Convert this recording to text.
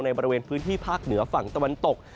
บริเวณพื้นที่ภาคเหนือฝั่งตะวันตก